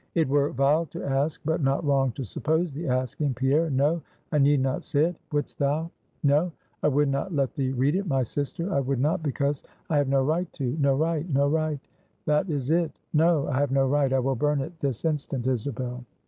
"It were vile to ask, but not wrong to suppose the asking. Pierre, no, I need not say it, wouldst thou?" "No; I would not let thee read it, my sister; I would not; because I have no right to no right no right; that is it; no: I have no right. I will burn it this instant, Isabel."